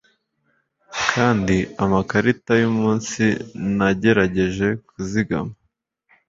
kandi amakarita yumunsi nagerageje kuzigama